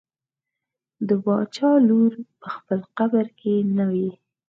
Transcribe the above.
د باچا لور په خپل قبر کې نه وي.